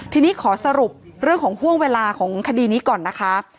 ทีนี้ขอสรุปเรื่องของห่วงเวลาของคดีนี้ก่อนนะคะ